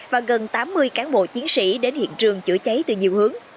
và gần tám mươi cán bộ chiến sĩ đến hiện trường chữa cháy từ nhiều hướng